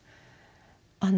あの。